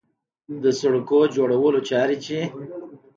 د سړکونو جوړولو چارې چې